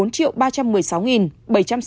bốn ba trăm một mươi sáu bảy trăm sáu mươi chín ca nhiễm